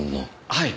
はい。